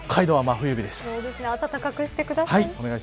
暖かくしてください。